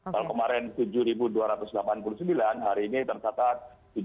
kalau kemarin tujuh dua ratus delapan puluh sembilan hari ini tersatat tujuh empat ratus tujuh puluh delapan